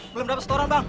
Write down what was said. belum dapet setoran bang